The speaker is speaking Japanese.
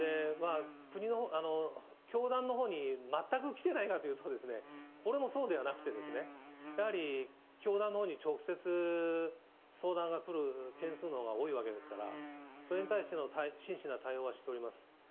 教団のほうに全く来てないかというと、これもそうではなくて、やはり教団のほうに直接相談が来る件数のほうが多いわけですから、それに対しての真摯な対応はしております。